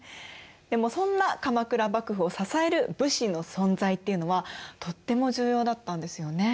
でもそんな鎌倉幕府を支える武士の存在っていうのはとっても重要だったんですよね。